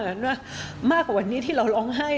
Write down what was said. นั่นแหละมากกว่าวันนี้ที่เราร้องไห้